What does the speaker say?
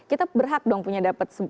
kita berhak dong punya dapat